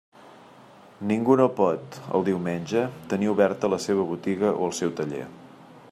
Ningú no pot, el diumenge, tenir oberta la seva botiga o el seu taller.